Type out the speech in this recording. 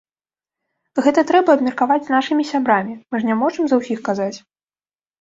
Гэта трэба абмеркаваць з нашымі сябрамі, мы ж не можам за ўсіх казаць.